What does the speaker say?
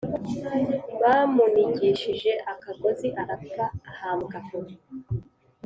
Bamunigishije akagozi arapfa ahambwa aho